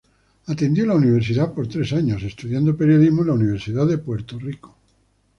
Atendió la Universidad por tres años, estudiando periodismo en la Universidad de Puerto Rico.